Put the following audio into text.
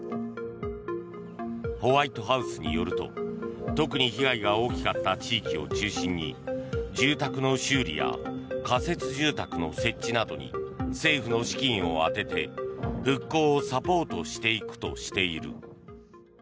ホワイトハウスによると特に被害が大きかった地域を中心に住宅の修理や仮設住宅の設置などに政府の資金を充てて、復興をサポートしていくとしている。